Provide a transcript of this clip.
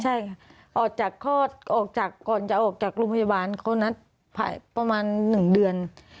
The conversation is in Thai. ใช่ค่ะออกจากคลอดออกจากก่อนจะออกจากโรงพยาบาลเขานัดประมาณ๑เดือน